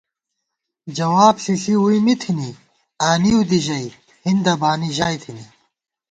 جواب ݪِݪی ووئی می تھنی آنِؤ دی ژَئی ہِندہ بانی ژائی تھنی